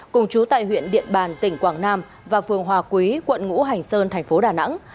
cùng chú tại huyện điện bàn tỉnh quảng nam và phường hòa quý quận ngũ hành sơn thành phố đà nẵng